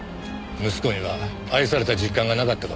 息子には愛された実感がなかったかもしれない。